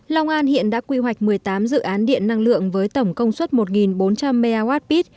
long an hiện đã quy hoạch một mươi tám dự án điện năng lượng với tổng công suất một bốn trăm linh mwp